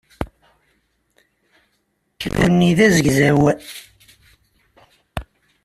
Aseklu-nni d azegzaw.